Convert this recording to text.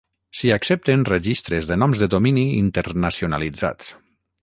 S'hi accepten registres de noms de domini internacionalitzats.